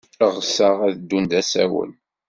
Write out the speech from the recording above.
Ɣseɣ ad ddun d asawen.